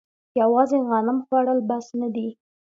یوازې غنم خوړل بس نه دي.